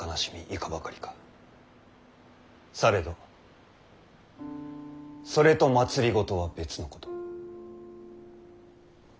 されどそれと政は別のこと。